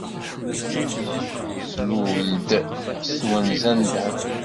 Tlul-d s twenza n ddheb.